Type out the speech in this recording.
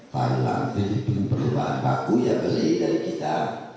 pariwarn pilih pilih belum perlu bari baku ya beli dari kita